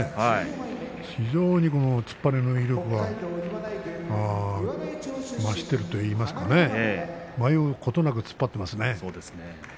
非常に突っ張りの威力が増しているといいますかね迷うことなく突っ張っていますね。